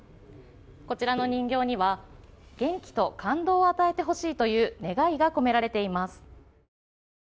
こちらの人形には元気と感動を与えてほしいという願いが込められています。